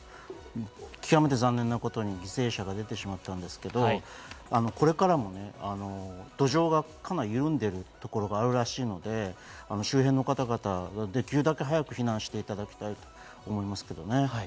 極めて残念なことに犠牲者が出てしまったんですけど、これからもね、土壌がかなり緩んでいるところがあるらしいので周辺の方々、できるだけ早く避難していただきたいと思いますけどね。